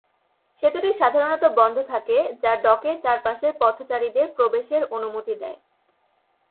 সেতুটি সাধারণত বন্ধ থাকে, যা ডকের চারপাশে পথচারীদের প্রবেশের অনুমতি দেয়।